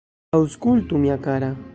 Aŭskultu, mia kara!